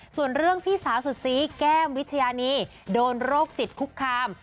ส่วนเรื่องพี่สาวสุดซีแก้มวิชญานีโดนโรคจิตคุกคาม